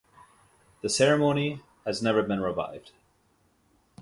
The ceremony has never been revived.